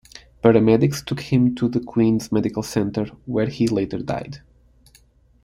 Paramedics took him to the Queen's Medical Center, where he later died.